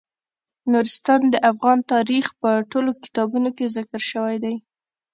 نورستان د افغان تاریخ په ټولو کتابونو کې ذکر شوی دی.